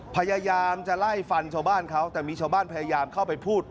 พยายามจะไล่ฟันชาวบ้านเขาแต่มีชาวบ้านพยายามเข้าไปพูด